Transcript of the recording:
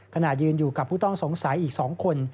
ขณะยืนอยู่กับผู้ต้องสงสัยอีก๒คน